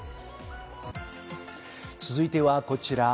続いてはこちら。